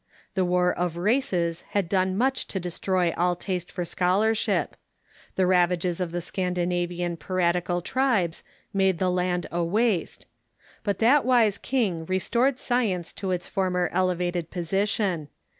The war of races had done much to destroy all taste for scholarship. The ravages of the Scandi navian piratical tribes made the land a waste. But that wise king restored science to its former elevated position.